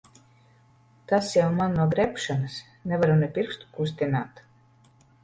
Tas jau man no grebšanas. Nevaru ne pirkstu kustināt.